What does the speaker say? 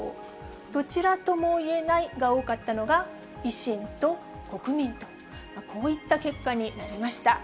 どちらともいえないが多かったのが、維新と国民と、こういった結果になりました。